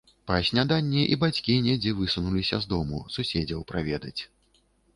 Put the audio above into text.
Па сняданні і бацькі недзе высунуліся з дому суседзяў праведаць.